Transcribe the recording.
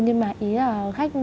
nhưng mà ý là khách